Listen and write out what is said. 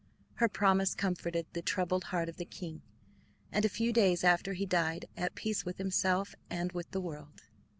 Her promise comforted the troubled heart of the king, and a few days after he died, at peace with himself and with the world.